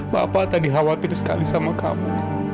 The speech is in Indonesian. bapak tak dikhawatir sekali sama kamu